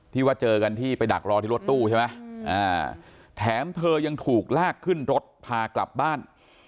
ว่าเจอกันที่ไปดักรอที่รถตู้ใช่ไหมแถมเธอยังถูกลากขึ้นรถพากลับบ้าน